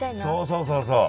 そうそうそうそう。